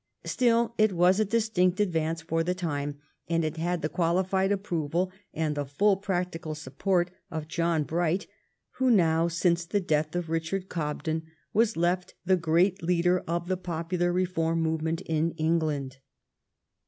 Still, it was a distinct advance for the time, and it had the qualified approval and the full practical support of John Bright, who now, since the death of Richard Cobden, was left the great leader of the popular reform movement in Eng land.